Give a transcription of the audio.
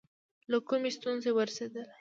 له کومې ستونزې ورسېدله.